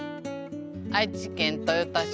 愛知県豊田市。